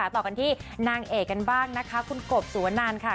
ต่อกันที่นางเอกกันบ้างนะคะคุณกบสุวนันค่ะ